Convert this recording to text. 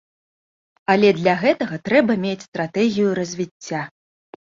Але для гэтага трэба мець стратэгію развіцця.